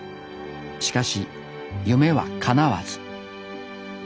しかし夢はかなわず。